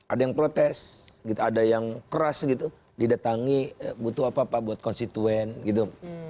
ada yang protes gitu ada yang keras gitu didatangi butuh apa apa buat konstituen gitu